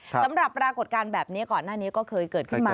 ปรากฏการณ์แบบนี้ก่อนหน้านี้ก็เคยเกิดขึ้นมา